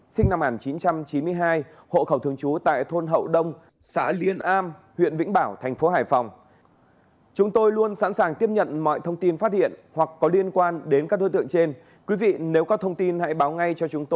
xin chào các bạn